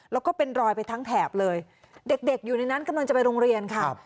แล้วก็เป็นรอยไปทั้งแถบเลยเด็กอยู่ในนั้นกำลังจะไปโรงเรียนค่ะ